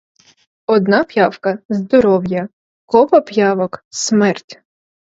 Одна п'явка — здоров'я, копа п'явок — смерть!